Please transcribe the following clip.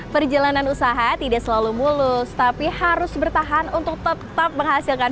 perjalanan usaha tidak selalu mulus tapi harus bertahan untuk tetap menghasilkan